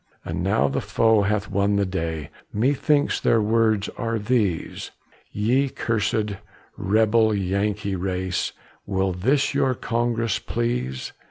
And now the foe hath won the day, Methinks their words are these: "Ye cursed, rebel, Yankee race, Will this your Congress please?